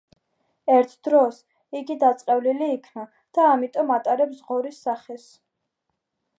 ერთ დროს იგი დაწყევლილი იქნა და ამიტომ ატარებს ღორის სახეს.